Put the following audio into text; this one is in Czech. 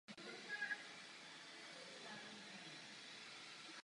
V malířství se uplatňují nástěnné malby.